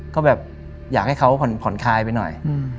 ก็แบบอยากให้เขาผ่อนคลายไปหน่อย